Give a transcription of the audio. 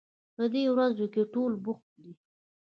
په دې ورځو کې ټول بوخت دي